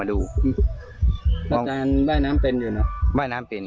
อาจารย์บ้ายน้ำเป็นอยู่หนึ่ง